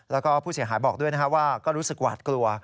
แล้วก็ผู้เสียหายบอกด้วยว่าก็รู้สึกหวาดกลัว